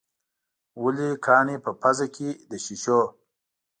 ولې کاڼي په پزه کې د شېشو.